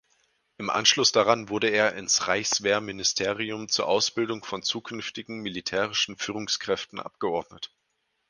Im Anschluss daran wurde er ins Reichswehrministerium zur Ausbildung von zukünftigen militärischen Führungskräften abgeordnet.